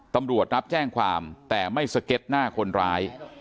ตำรวจรับแจ้งความแต่ไม่สเก็ตหน้าคนร้าย